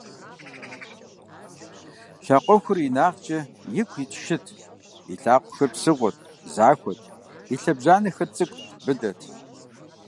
Лъакъуэхур инагъкӀэ ику ит шыт: и лъакъуэхэр псыгъуэт, захуэт, и лъэбжьанэхэр цӀыкӀут, быдэт.